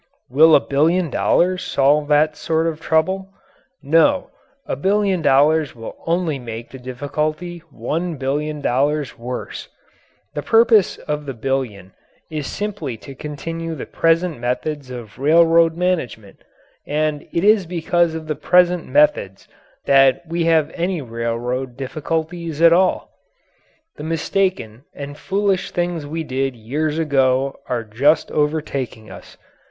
Will a billion dollars solve that sort of trouble? No, a billion dollars will only make the difficulty one billion dollars worse. The purpose of the billion is simply to continue the present methods of railroad management, and it is because of the present methods that we have any railroad difficulties at all. The mistaken and foolish things we did years ago are just overtaking us.